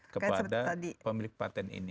kepada pemilik patent ini